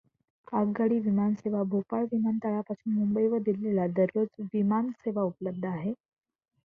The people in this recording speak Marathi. आगगाडी विमानसेवा भोपाळ विमानतळापासून मुंबई व दिल्लीला दररोज विमानसेवा उपलब्ध आहे.